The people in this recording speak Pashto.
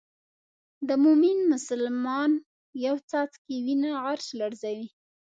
د مومن مسلمان یو څاڅکی وینه عرش لړزوي.